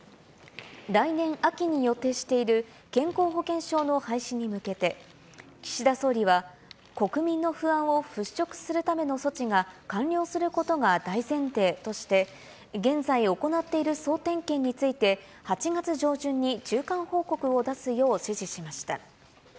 来年秋に予定している健康保険証の廃止に向けて、岸田総理は、国民の不安を払拭するための措置が完了することが大前提として、現在行っている総点検について、８月上旬に中間報告を出すよう指示しました。